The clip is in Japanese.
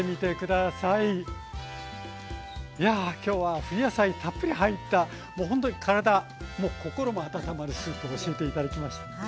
いや今日は冬野菜たっぷり入ったほんとに体も心も温まるスープを教えて頂きました。